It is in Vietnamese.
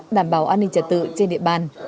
đảm bảo an ninh trả tự trên địa bàn